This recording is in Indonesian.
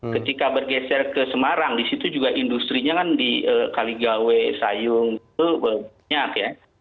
ketika bergeser ke semarang di situ juga industri nya kan di kaligawe sayung itu banyak ya